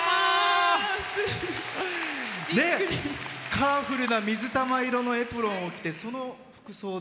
カラフルな水玉色のエプロンを着て。